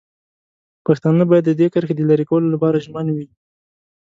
پښتانه باید د دې کرښې د لرې کولو لپاره ژمن وي.